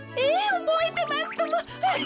おぼえてますとも。